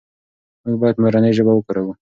موږ باید مورنۍ ژبه وکاروو.